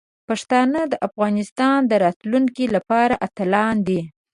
پښتانه د افغانستان د راتلونکي لپاره اتلان دي.